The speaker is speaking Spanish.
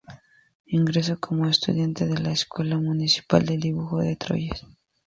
Ingresó como estudiante de la Escuela Municipal de Dibujo de Troyes.